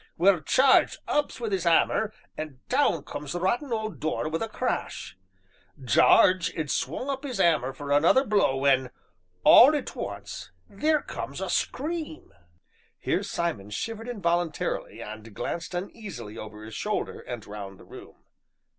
Well, Jarge ups wi' 'is 'ammer, and down comes the rotten old door wi' a crash. Jarge 'ad strung up 'is 'ammer for another blow when, all at once, theer comes a scream." Here Simon shivered involuntarily, and glanced uneasily over his shoulder, and round the room.